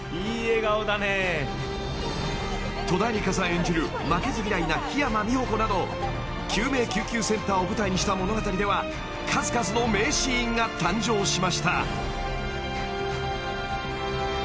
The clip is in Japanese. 演じる負けず嫌いな緋山美帆子など救命救急センターを舞台にした物語では数々の名シーンが誕生しました］